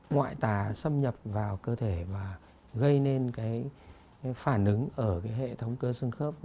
ngoại tà xâm nhập vào cơ thể và gây nên cái phản ứng ở cái hệ thống cơ xương khớp